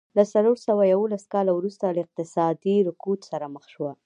له څلور سوه یوولس کاله وروسته له اقتصادي رکود سره مخ شوه.